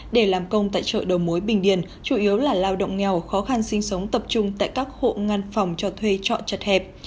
để làm công tại chợ đầu mối bình điền chủ yếu là lao động nghèo khó khăn sinh sống tập trung tại các hộ ngăn phòng cho thuê trọ chật hẹp